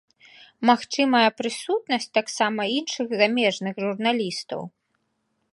Магчымая прысутнасць таксама іншых замежных журналістаў.